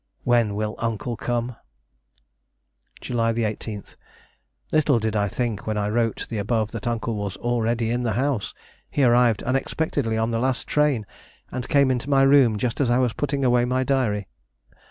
When will Uncle come? "July 18. Little did I think when I wrote the above that Uncle was already in the house. He arrived unexpectedly on the last train, and came into my room just as I was putting away my diary.